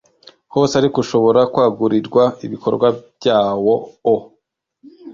hose ariko ushobora kwagurirwa ibikorwa byawo o